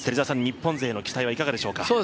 日本勢の期待はいかがでしょうか？